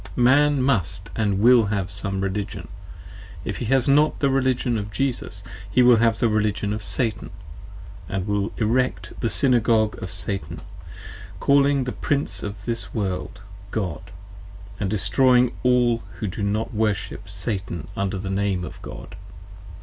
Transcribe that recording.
Man must & will have Some Religion: if he has not the Religion of Jesus, he will have the Religion of Satan, & will erect the Synagogue of Satan, calling the Prince of this World, God: and destroying all who do not worship Satan under the Name of God.